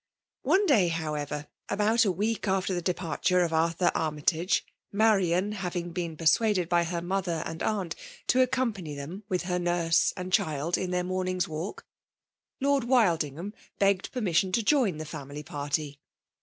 One day, however, abont a week after the departure of Arthur Armytage, Marian having been persuaded by her mother and aunt to acccnsipany them with her nurge and child in their moming^s walk. Lord Wild ingham begged permission to join the family party.